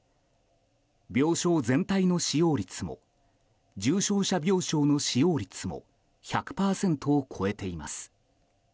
病床全体の使用率も重症者病床の使用率も１００％を超えています。